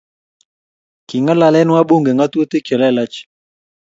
king'alale wabunge ng'otutik chelelach